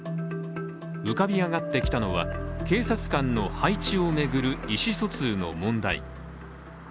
浮かび上がってきたのは警察官の配置を巡る意思疎通の問題。